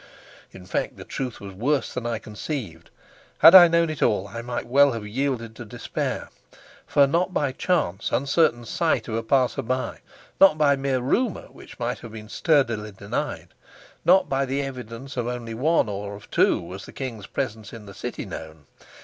In fact, the truth was worse than I conceived. Had I known it all, I might well have yielded to despair. For not by the chance, uncertain sight of a passer by, not by mere rumor which might have been sturdily denied, not by the evidence of one only or of two, was the king's presence in the city known.